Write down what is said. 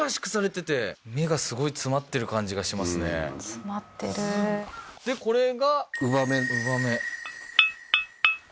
詰まってるでこれが姥目姥目